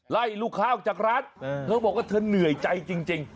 ไล่ลูกค้าออกจากร้านเธอบอกว่าเธอเหนื่อยใจจริง